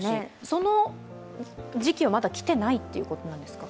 その時期はまだ来ていないということなんですか。